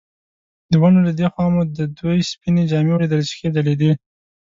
د ونو له دې خوا مو د دوی سپینې جامې ولیدلې چې ښې ځلېدې.